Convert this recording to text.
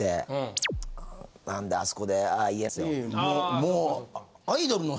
もう。